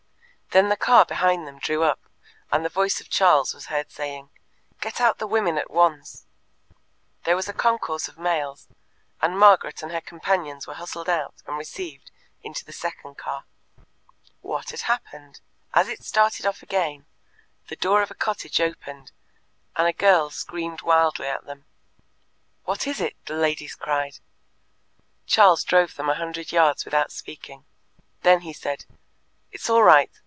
Then the car behind them drew up, and the voice of Charles was heard saying: "Get out the women at once." There was a concourse of males, and Margaret and her companions were hustled out and received into the second car. What had happened? As it started off again, the door of a cottage opened, and a girl screamed wildly at them. "What is it?" the ladies cried. Charles drove them a hundred yards without speaking. Then he said: "It's all right.